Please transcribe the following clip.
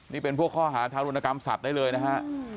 นี่เป็นพวกข้อหาทารุณกรรมสัตว์ได้เลยนะฮะ